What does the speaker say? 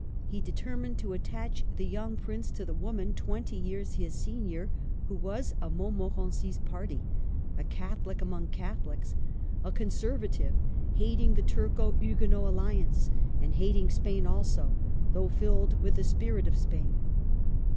He determined to attach the young Prince to this woman, twenty years his senior, who was of Montmorency's party, ™ a Catholic among Catholics, a Conservative, hating the Turco Huguenot alliance, and hating Spain also, though filled with the spirit of Spain.